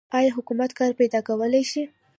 آیا حکومت کار پیدا کولی شي؟